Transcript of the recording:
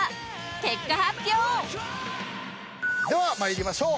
［結果発表］では参りましょう。